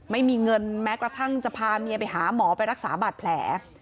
ไม่มีเงินแม้กระทั่งจะพาเมียไปหาหมอไปรักษาบาดแผล